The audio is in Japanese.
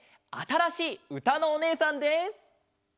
あたらしいうたのおねえさんです！